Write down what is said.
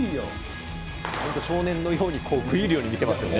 本当、少年のように食い入るように見てますよね。